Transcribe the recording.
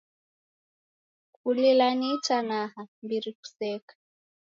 Kulila ni itanaha, mbiri kuseka